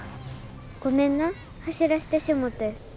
ごめんな走らしてしもて。